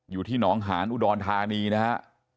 อยู่ที่หนองหานอุดรธานีนะฮะ